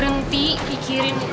huh inget cardio aja